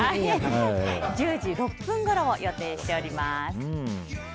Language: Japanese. １０時６分ごろを予定しております。